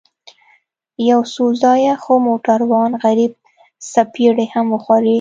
يو څو ځايه خو موټروان غريب څپېړې هم وخوړې.